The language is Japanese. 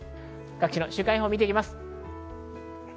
各地の週間予報を見ていきます。